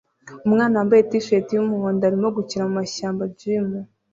Umwana wambaye t-shirt yumuhondo arimo gukina mumashyamba jim